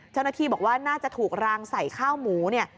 เจ้าหน้าที่บอกว่าน่าจะถูกรางใส่ข้าวหมูเนี่ย